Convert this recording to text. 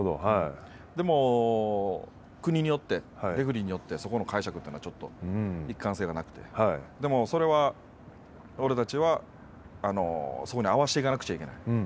でも、国によってレフリーによってそこのかいしゃくというのは一貫性がなくて、でも、それは俺たちはそこに合わせていかなくちゃいけない。